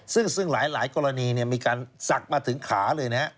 ซึ่งหลายกรณีมีการศักดิ์มาถึงขาเลยนะฮะ